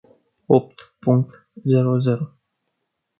Opt punct zero zero.